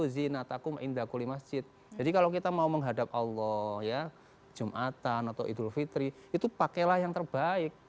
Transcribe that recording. jadi kalau kita mau menghadap allah ya jum'atan atau idul fitri itu pakailah yang terbaik